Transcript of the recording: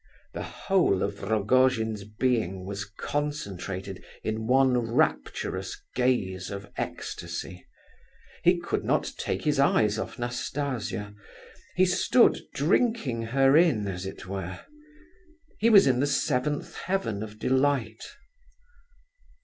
The whole of Rogojin's being was concentrated in one rapturous gaze of ecstasy. He could not take his eyes off Nastasia. He stood drinking her in, as it were. He was in the seventh heaven of delight.